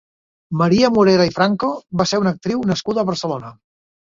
Maria Morera i Franco va ser una actriu nascuda a Barcelona.